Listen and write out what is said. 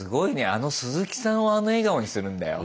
あのすずきさんをあの笑顔にするんだよ。